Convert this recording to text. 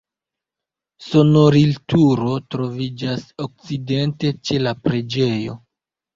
Sonorilturo troviĝas okcidente ĉe la preĝejo.